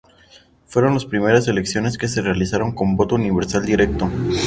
Fueron las primeras elecciones que se realizaron con voto universal directo.